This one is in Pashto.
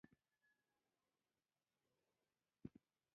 د مور مینه یوه طبیعي غريزه ده.